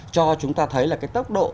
cho chúng ta thấy là cái tốc độ